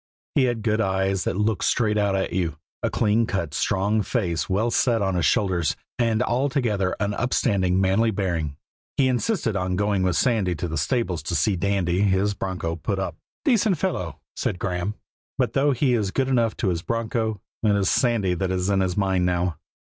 He had good eyes that looked straight out at you, a clean cut, strong face well set on his shoulders, and altogether an upstanding, manly bearing. He insisted on going with Sandy to the stables to see Dandy, his broncho, put up. "Decent fellow," said Graeme; "but though he is good enough to his broncho, it is Sandy that's in his mind now."